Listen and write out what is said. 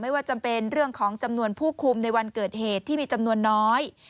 ว่าจำเป็นเรื่องของจำนวนผู้คุมในวันเกิดเหตุที่มีจำนวนน้อย